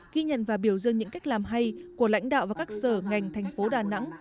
ghi nhận và biểu dương những cách làm hay của lãnh đạo và các sở ngành tp đà nẵng